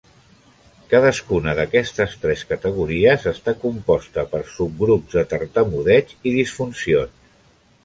Cadascuna d'aquestes tres categories està composta per subgrups de tartamudeig i disfuncions.